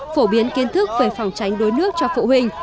phổ biến kiến thức về phòng tránh đuối nước cho phụ huynh